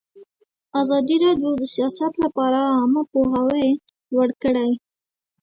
ازادي راډیو د سیاست لپاره عامه پوهاوي لوړ کړی.